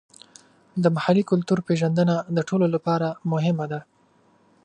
د محلي کلتور پیژندنه د ټولو لپاره مهمه ده.